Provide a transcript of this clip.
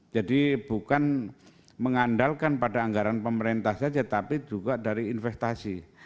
jadi bukan mengandalkan pada anggaran pemerintah saja tapi juga dari investasi